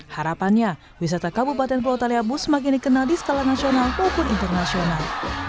harapannya wisata kabupaten pulau taliabu semakin dikenal di skala nasional maupun internasional